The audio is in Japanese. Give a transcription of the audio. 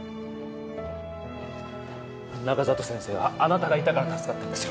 中里先生はあなたがいたから助かったんですよ